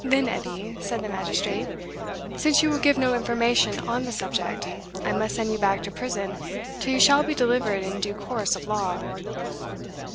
"Then, Edie," said the magistrate, "since you will give no information on the subject, I must send you back to prison till you shall be delivered in due course of law."